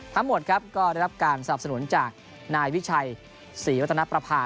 ทั้งหมดครับก็ได้รับการสนับสนุนจากนายวิชัยศรีวัฒนประภา